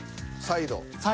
サイド。